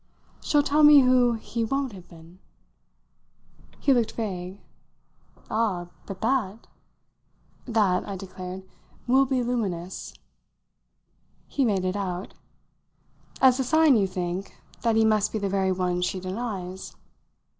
"She'll tell me who he won't have been!" He looked vague. "Ah, but that " "That," I declared, "will be luminous." He made it out. "As a sign, you think, that he must be the very one she denies?"